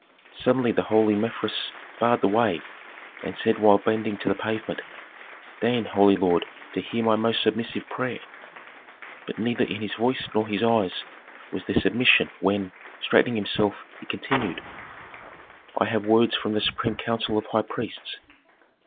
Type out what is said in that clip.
Suddenly the holy Mefres barred the way, and said while bending to the pavement, "Deign, holy lord, to hear my most submissive prayer." But neither in his voice nor his eyes was there submission when, straightening himself, he continued, "I have words from the supreme council of high priests."